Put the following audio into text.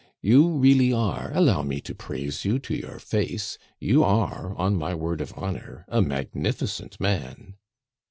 You really are allow me to praise you to your face you are, on my word of honor, a magnificent man."